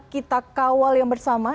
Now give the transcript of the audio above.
kita kawal yang bersama